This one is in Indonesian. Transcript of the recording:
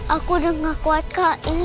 aku udah gak kuat kak